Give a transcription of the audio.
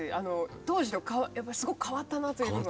当初すごく変わったなというのは。